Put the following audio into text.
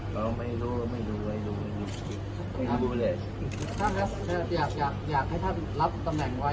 ก็ไม่รู้ไม่ดูเลยไม่ดูเลยครับครับครับอยากให้ท่านรับตำแหน่งไว้